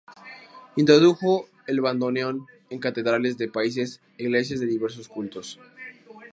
Introdujo el bandoneón en catedrales de países e iglesias de diversos cultos.